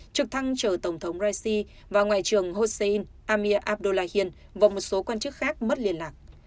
trực thăng chở tổng thống raisi và ngoại trưởng josen amir abdullahian và một số quan chức khác mất liên lạc